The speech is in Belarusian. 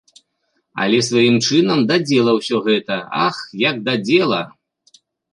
Але сваім чынам да дзела ўсё гэта, ах, як да дзела!